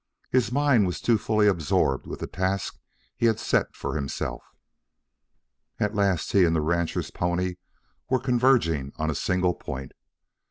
His mind was too fully absorbed with the task he had set for himself. At last he and the rancher's pony were converging on a single point.